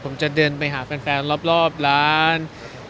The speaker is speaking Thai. ผมจะเดินไปหาแฟนรอบร้าน